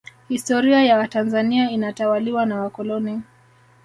historia ya tanzania inatawaliwa na wakoloni